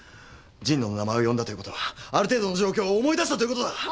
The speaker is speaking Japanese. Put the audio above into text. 神野の名前を呼んだということはある程度の状況を思い出したということだ！